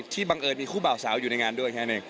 ที่บังเอิญมีคู่เบาสาวอยู่ในงานด้วยแค่นี้